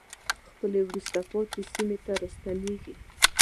خپلې وروسته پاتې سیمې ته راستنېږي.